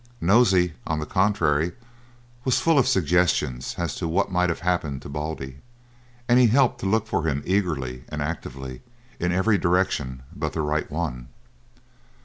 Nosey, on the contrary, was full of suggestions as to what might have happened to Baldy, and he helped to look for him eagerly and actively in every direction but the right one.